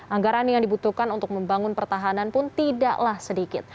anggaran yang dibutuhkan untuk membangun pertahanan pun tidaklah sedikit